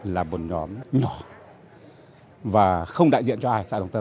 là một nhóm nhỏ và không đại diện cho ai xã đồng tâm